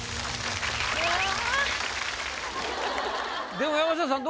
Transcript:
でも山下さん